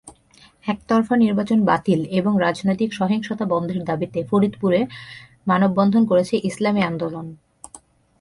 একতরফা নির্বাচন বাতিল এবং রাজনৈতিক সহিংসতা বন্ধের দাবিতে ফরিদপুরে মানববন্ধন করেছে ইসলামী আন্দোলন।